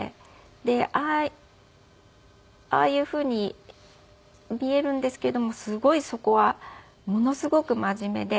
でああいうふうに見えるんですけどもすごいそこはものすごく真面目で。